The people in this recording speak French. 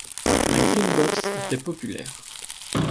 La Green-Box était populaire.